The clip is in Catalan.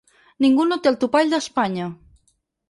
Ningú no té el topall d’Espanya.